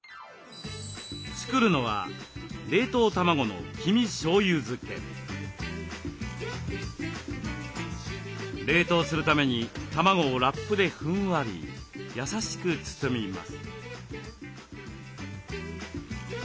作るのは冷凍するために卵をラップでふんわり優しく包みます。